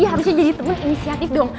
harusnya jadi temen inisiatif dong